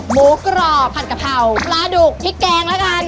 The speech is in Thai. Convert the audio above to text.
หมูกรอบผัดกะเพราปลาดุกพริกแกงแล้วกัน